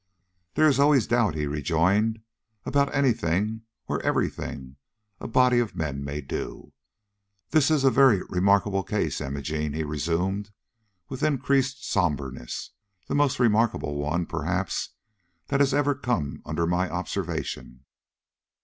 "There is always doubt," he rejoined, "about any thing or every thing a body of men may do. This is a very remarkable case, Imogene," he resumed, with increased sombreness; "the most remarkable one, perhaps, that has ever come under my observation.